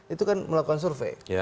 itu kan melakukan survei